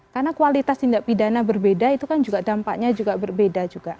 karena kualitas tindak pidana berbeda itu kan juga dampaknya juga berbeda juga